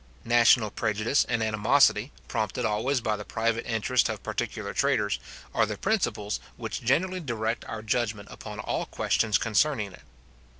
National prejudice and animosity, prompted always by the private interest of particular traders, are the principles which generally direct our judgment upon all questions concerning it.